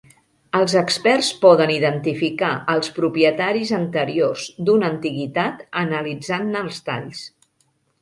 Els experts poden identificar els propietaris anteriors d'una antiguitat analitzant-ne els talls.